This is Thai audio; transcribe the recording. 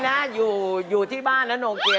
นะอยู่ที่บ้านนะโนเกีย